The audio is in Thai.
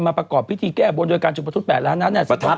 มาประกอบพิธีแก้บนโดยการจุดประทัด๘ล้านนัด